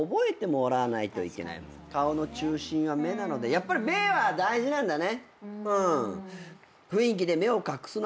やっぱり目は大事なんだね。